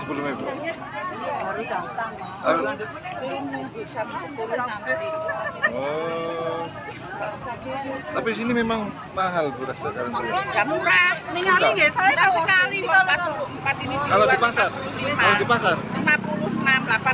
kemarin aku beli di graton